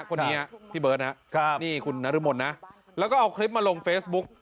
คนนี้พี่เบิร์ตนะครับนี่คุณนรมนนะแล้วก็เอาคลิปมาลงเฟซบุ๊ก